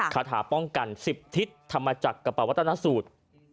คาถาป้องกัน๑๐ทิศทำมาจากกระเป๋าวัตนสูตร